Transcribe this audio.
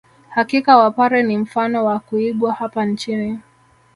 Hakika wapare ni mfano wa kuigwa hapa nchini